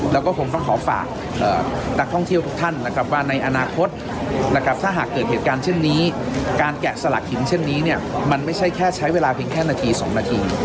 แล้วก็คงต้องขอฝากนักท่องเที่ยวทุกท่านนะครับว่าในอนาคตนะครับถ้าหากเกิดเหตุการณ์เช่นนี้การแกะสลักหินเช่นนี้เนี่ยมันไม่ใช่แค่ใช้เวลาเพียงแค่นาที๒นาที